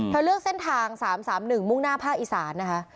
เลือกเส้นทาง๓๓๑มุ่งหน้าภาคอีสานนะคะ